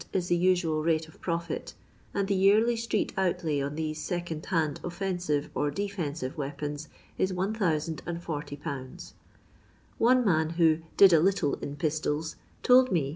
is the usual rate of profit, and the yearly street outlay on these second hand offensive or de frnsive weapons is 1040/. Ono nan who "did a little in pistols" told me.